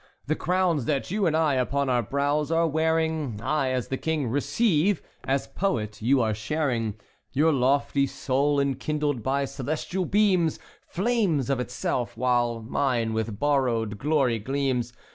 The crowns that you and I upon our brows are wearing, I as the King receive, as poet you are sharing. Your lofty soul, enkindled by celestial beams, Flames of itself, while mine with borrowed glory gleams.